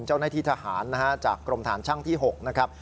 เจ้าหน้าที่ทหารนะฮะจากกรมฐานช่างที่๖นะครับ